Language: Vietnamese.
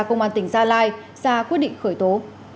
công an tỉnh gia lai ra quyết định khởi tố